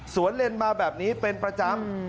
เลนมาแบบนี้เป็นประจำ